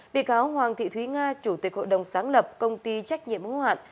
bị cáo hoàng thị thúy nga chủ tịch hội đồng sáng lập công ty trách nhiệm hóa hoạn